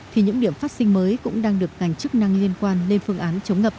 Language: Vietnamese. thì những điểm phát sinh mới cũng đang được ngành chức năng liên quan lên phương án chống ngập